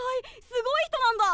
すごい人なんだ？